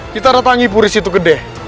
kita datangi puris itu gede